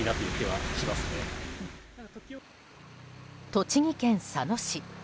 栃木県佐野市。